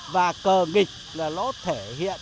và cờ nghịch là nó thể